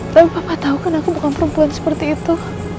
tapi papa tau kan aku bukan perempuan seperti itu